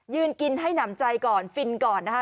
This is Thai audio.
ยืนกินให้หนำใจก่อนฟินก่อนนะคะ